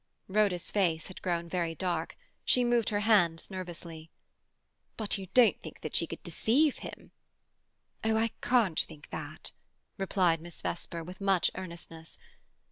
Rhoda's face had grown very dark. She moved her hands nervously. "But—you don't think she could deceive him?" "Oh, I can't think that!" replied Miss Vesper, with much earnestness.